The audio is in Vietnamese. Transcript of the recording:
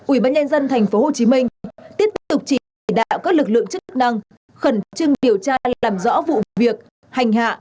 ubnd tp hcm tiếp tục chỉ đạo các lực lượng chức năng khẩn trưng điều tra làm rõ vụ việc hành hạ